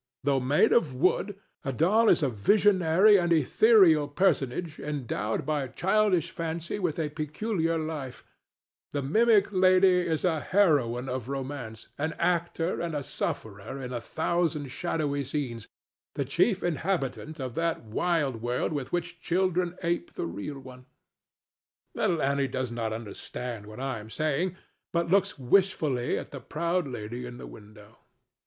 Though made of wood, a doll is a visionary and ethereal personage endowed by childish fancy with a peculiar life; the mimic lady is a heroine of romance, an actor and a sufferer in a thousand shadowy scenes, the chief inhabitant of that wild world with which children ape the real one. Little Annie does not understand what I am saying, but looks wishfully at the proud lady in the window.